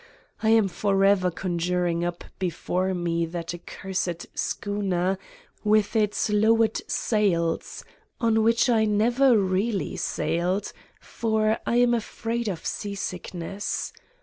I am forever conjuring up before me that accursed schooner with its lowered sails, on which I never really sailed, for I am afraid of sea sickness!